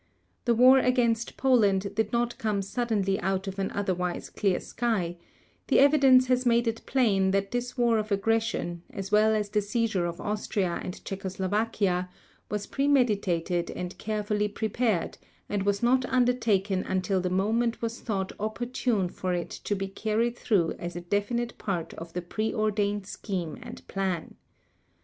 The war against Poland did not come suddenly out of an otherwise clear sky; the evidence has made it plain that this war of aggression, as well as the seizure of Austria and Czechoslovakia, was premeditated and carefully prepared, and was not undertaken until the moment was thought opportune for it to be carried through as a definite part of the pre ordained scheme and plan.